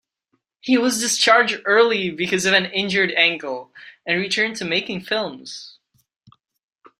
He was discharged early because of an injured ankle and returned to making films.